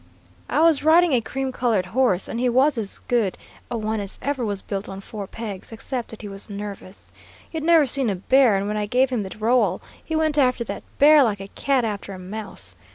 "I was riding a cream colored horse, and he was as good a one as ever was built on four pegs, except that he was nervous. He had never seen a bear, and when I gave him the rowel, he went after that bear like a cat after a mouse.